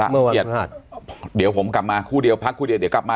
เอาล่ะเดี๋ยวผมกลับมาคู่เดียวพักคู่เดี๋ยวกลับมา